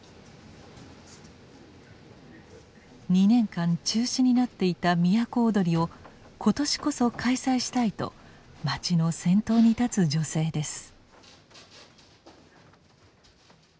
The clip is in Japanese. ２年間中止になっていた都をどりを今年こそ開催したいと町の先頭に立つ女性です。